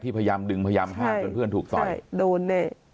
ที่พยายามดึงพยายามห้ามเพื่อนถูกตอยครับโดนเนี่ย